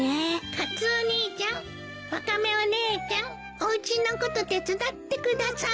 カツオ兄ちゃんワカメお姉ちゃんおうちのこと手伝ってください。